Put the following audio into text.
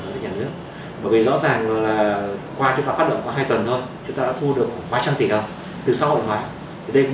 chắc chắn là mỗi người cũng sẽ có những cái sáng kiên